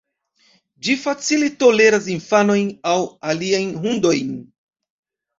Ĝi facile toleras infanojn aŭ aliajn hundojn.